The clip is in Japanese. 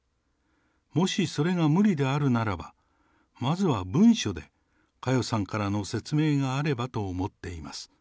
もしそれが無理であるならば、まずは文書で佳代さんからの説明があればと思っています。